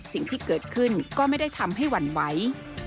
สิ่งที่เกิดขึ้นก็ไม่ได้ทำให้หวั่นไหว